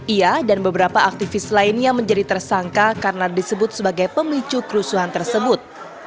ia dan beberapa aktivis lainnya menjadi tersangka karena disebut sebagai pemicu kerusuhan tersebut